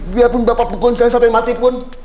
biarpun bapak pukul saya sampai mati pun